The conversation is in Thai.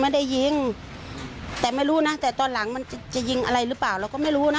ไม่ได้ยิงแต่ไม่รู้นะแต่ตอนหลังมันจะยิงอะไรหรือเปล่าเราก็ไม่รู้นะ